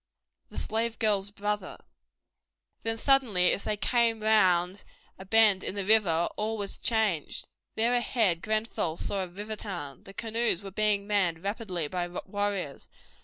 The Slave Girl's Brother Then, suddenly, as they came round a bend in the river, all was changed. There ahead Grenfell saw a river town. The canoes were being manned rapidly by warriors.